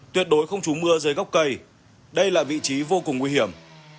tuyệt đối không trú mưa dưới góc cây đây là vị trí vô cùng nguy hiểm